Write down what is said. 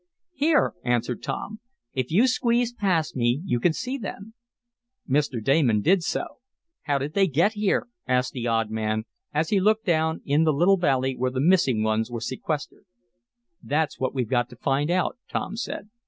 "Here," answered Tom. "If you squeeze past me you can see them." Mr. Damon did so. "How did they get here?" asked the odd man, as he looked down in the little valley where the missing ones were sequestered. "That's what we've got to find out," Tom said.